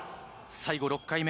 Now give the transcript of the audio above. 最後、６回目。